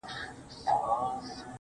ما مي د هسک وطن له هسکو غرو غرور راوړئ.